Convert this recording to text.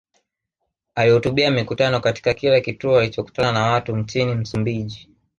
Alihutubia mikutano katika kila kituo alichokutana na watu nchini Msumbiji